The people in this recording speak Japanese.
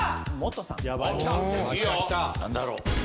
何だろう。